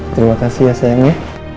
terima kasih ya sayangnya